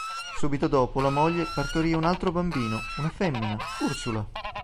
Subito dopo la moglie partorì un altro bambino: una femmina, Ursula.